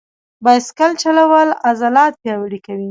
بایسکل چلول عضلات پیاوړي کوي.